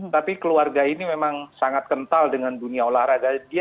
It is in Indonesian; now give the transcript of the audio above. tapi keluarga ini memang sangat kental dengan dunia olahraga